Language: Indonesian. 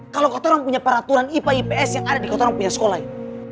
kalau kota orang punya peraturan ipa ips yang ada di kota orang punya sekolah ya